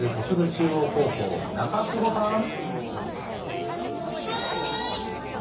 中央高校、中久保さん。